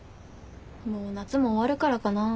もう夏も終わるからかな。